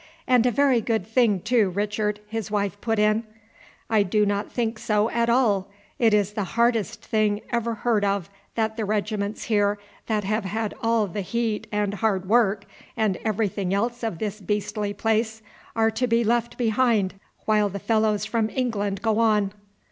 "And a very good thing too, Richard," his wife put in. "I do not think so at all. It is the hardest thing ever heard of that the regiments here that have had all the heat and hard work, and everything else of this beastly place, are to be left behind, while fellows from England go on.